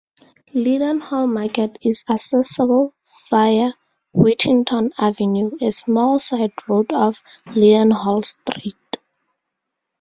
Leadenhall Market is accessible via Whittington Avenue, a small side-road off Leadenhall Street.